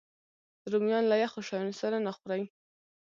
رومیان له یخو شیانو سره نه خوري